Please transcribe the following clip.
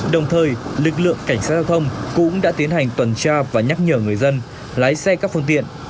đồng thời lực lượng cảnh sát giao thông cũng đã tiến hành tuần tra và nhắc nhở người dân lái xe các phương tiện